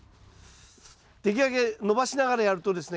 できるだけ伸ばしながらやるとですね